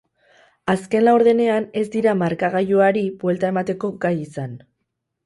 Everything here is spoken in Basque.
Azken laurdenean ez dira markagailuaru buelta emateko gai izan.